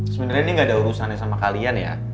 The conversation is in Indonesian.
sebenarnya ini gak ada urusannya sama kalian ya